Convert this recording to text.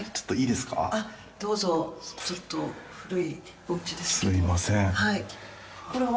すいません。